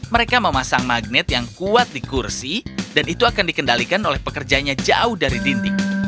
mereka memasang magnet yang kuat di kursi dan itu akan dikendalikan oleh pekerjanya jauh dari dinding